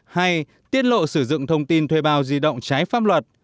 hay tiết lộ sử dụng thông tin thuê bao di động trái pháp luật